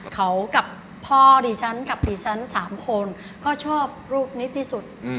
เขากับพ่อดิฉันกับดิฉัน๓คนก็ชอบลูกนิดที่สุด